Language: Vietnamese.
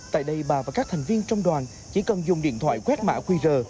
tại đây bà và các thành viên trong đoàn chỉ cần dùng điện thoại quét mã qr